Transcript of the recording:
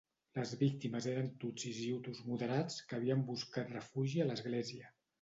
Les víctimes eren tutsis i hutus moderats que havien buscat refugi a l'església.